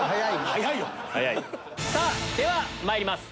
早いよ！ではまいります。